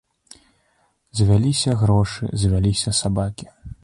Завяліся грошы, завяліся сабакі.